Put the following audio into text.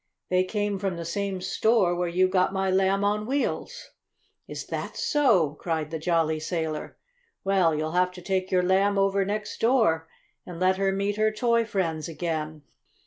They came from the same store where you got my Lamb on Wheels!" "Is that so?" cried the jolly sailor. "Well, you'll have to take your Lamb over next door and let her meet her toy friends again."